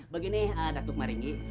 begini datuk maringi